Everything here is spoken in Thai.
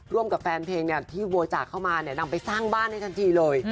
ร่วมกับแฟนเพลงเนี่ยที่โบจากเข้ามาเนี่ยนำไปสร้างบ้านให้ทันทีเลย